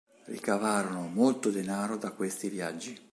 Ricavarono molto denaro da questi viaggi.